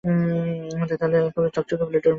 মাথার তালু এদের চকচকে স্লেট রঙের।